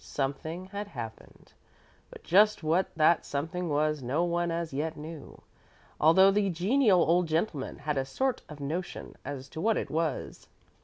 Something had happened, but just what that something was no one as yet knew, although the genial old gentleman had a sort of notion as to what it was.